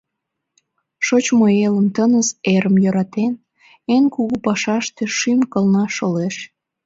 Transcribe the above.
Шочмо элым, тыныс эрым йӧратен, Эн кугу пашаште шӱм-кылна шолеш.